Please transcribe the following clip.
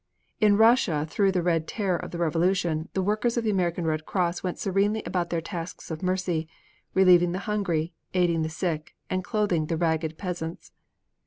In Russia through the Red Terror of the Revolution the workers of the American Red Cross went serenely about their tasks of mercy, relieving the hungry, aiding the sick, and clothing the ragged peasants.